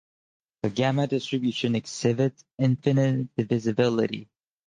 The gamma distribution exhibits infinite divisibility.